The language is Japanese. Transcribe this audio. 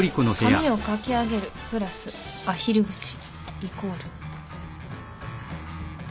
髪をかき上げるプラスアヒル口イコール。